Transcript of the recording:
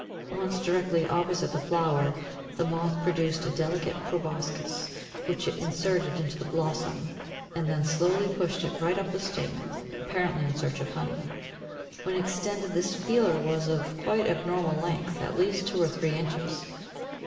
Once directly opposite the flower, the moth produced a delicate proboscis, which it inserted into the blossom, and then slowly pushed it right up the stamen, apparently in search of honey. When extended, this feeler was of quite abnormal length, at least two or three inches.